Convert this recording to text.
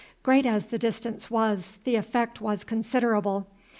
Great as the distance was, the effect was considerable.